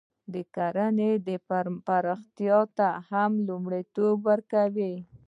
د کرنې پراختیا ته یې هم لومړیتوب نه ورکاوه.